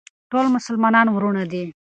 ټول مسلمانان وروڼه دي.